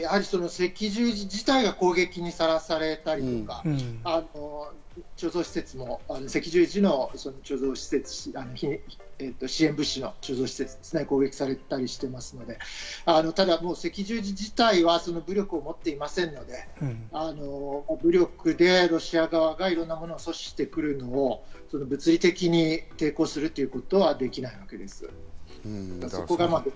赤十字自体が攻撃にさらされたりとか、貯蔵施設も赤十字の貯蔵施設、支援物資の貯蔵施設ですね、攻撃されたりしていますので、ただ赤十字自体は武力を持っていませんので、武力でロシア側がいろんなものを阻止してくるのを物理的に抵抗するということはできないわけです。